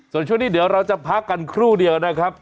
ส่วนช่วงนี้เดี๋ยวเราจะพักกันครู่เดียวนะครับ